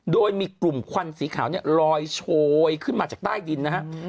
โดยมีกลุ่มควันสีขาวเนี่ยลอยโชยขึ้นมาจากใต้ดินนะฮะ